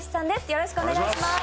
よろしくお願いします。